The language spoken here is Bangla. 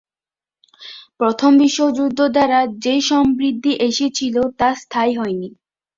প্রথম বিশ্বযুদ্ধের দ্বারা যে সমৃদ্ধি এসেছিল তা স্থায়ী হয়নি।